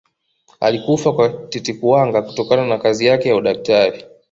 alikufa kwa tete kuwanga kutokana na kazi yake ya udaktari